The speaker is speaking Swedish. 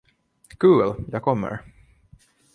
Kul jag kommer!